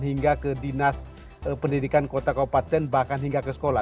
hingga ke dinas pendidikan kota kabupaten bahkan hingga ke sekolah